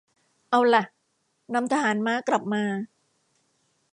เอาล่ะ นำทหารม้ากลับมา